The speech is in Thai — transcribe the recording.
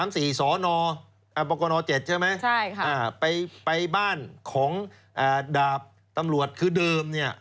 ๓๔สนปน๗ใช่ไหมไปบ้านของดาบตำรวจคือเดิมเนี่ย